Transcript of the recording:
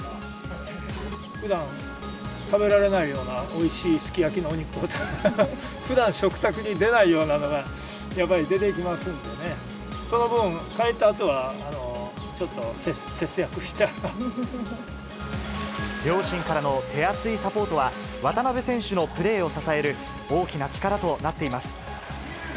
ふだん食べられないようなおいしいすき焼きのお肉とか、ふだん食卓に出ないようなのが、やっぱり出てきますんでね、その分、帰ったあとは、両親からの手厚いサポートは、渡邊選手のプレーを支える大きな力となっています。